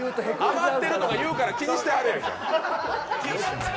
余ってるとか言うから気にしてはる。